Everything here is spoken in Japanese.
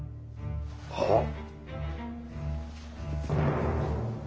はっ。